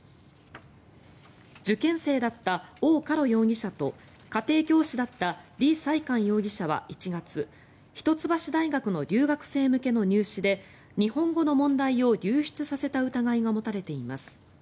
受験生だったオウ・カロ容疑者と家庭教師だったリ・サイカン容疑者は１月一橋大学の留学生向けの入試で日本語の問題を流出させた疑いが持たれています。